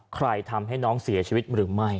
ทำให้น้องเสียชีวิตหรือไม่